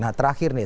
nah terakhir nih